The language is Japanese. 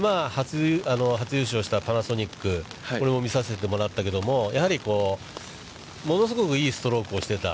初優勝したパナソニック、これも見させてもらったけども、やはり物すごくいいストロークをしてた。